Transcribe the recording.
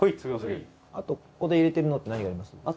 あとここで入れてるのって何があります？